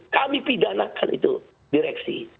kami pidanakan itu direksi